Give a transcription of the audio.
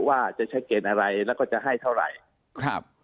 ว่าจะใช้เกณฑ์อะไรแล้วก็จะให้เท่าไหร่ครับ